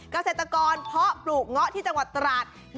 เกษตรกรเพาะปลูกเงาะที่จังหวัดตราด